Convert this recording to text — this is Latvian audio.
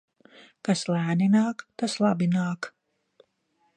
Kas lēni nāk, tas labi nāk.